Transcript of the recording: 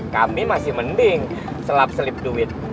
kami masih mending selap selip duit